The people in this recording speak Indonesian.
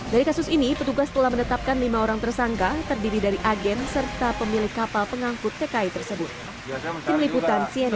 dari kasus ini petugas telah menetapkan lima orang tersangka terdiri dari agen serta pemilik kapal pengangkut tki tersebut